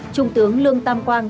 trung tướng lương tam quang